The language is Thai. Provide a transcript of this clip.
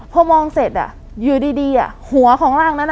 พอมองเสร็จอยู่ดีหัวของร่างนั้น